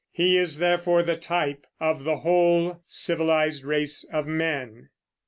He is therefore the type of the whole civilized race of men.